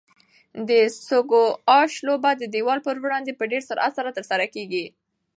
د سکواش لوبه د دیوال په وړاندې په ډېر سرعت سره ترسره کیږي.